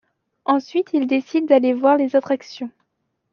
Ensuite ils décident d'aller voir les attractions.